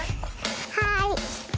はい。